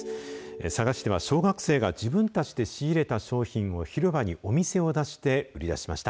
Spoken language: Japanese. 佐賀市では、小学生が自分たちで仕入れた商品を広場にお店を出して売り出しました。